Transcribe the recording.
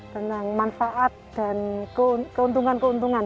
tentang manfaat dan keuntungan keuntungan